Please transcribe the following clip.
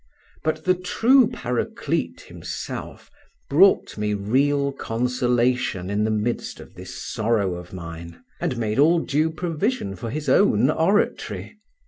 But the true Paraclete Himself brought me real consolation in the midst of this sorrow of mine, and made all due provision for His own oratory.